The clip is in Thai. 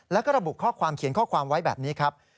แล้วก็ระบุข้อความเขียนข้อความไว้แบบนี้ครับ